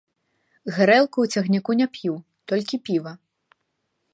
Гарэлку ў цягніку не п'ю, толькі піва.